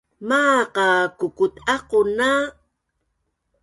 Maaq a kukut’aquna